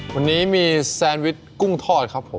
วันนี้มีแซนวิชกุ้งทอดครับผม